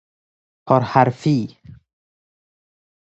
پر حرفی